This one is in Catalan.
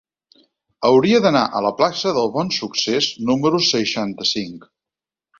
Hauria d'anar a la plaça del Bonsuccés número seixanta-cinc.